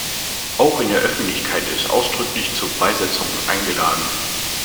Auch die Öffentlichkeit ist ausdrücklich zur Beisetzung eingeladen.